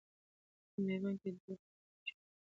په میوند کې دوه قبرونه جوړ سوي دي.